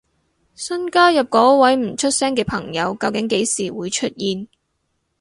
新加入嗰位唔出聲嘅朋友究竟幾時會出現？